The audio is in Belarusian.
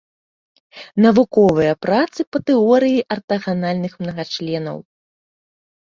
Навуковыя працы па тэорыі артаганальных мнагачленаў.